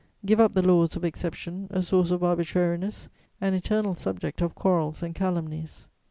"Give up the laws of exception, a source of arbitrariness, an eternal subject of quarrels and calumnies.